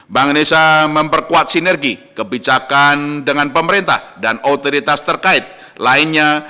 bank indonesia memperkuat sinergi kebijakan dengan pemerintah dan otoritas terkait lainnya